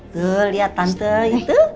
tuh liat tante itu